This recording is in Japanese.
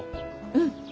うん！